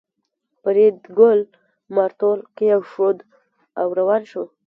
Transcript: فریدګل مارتول کېښود او روان شو